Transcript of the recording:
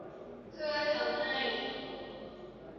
เพื่อทำให้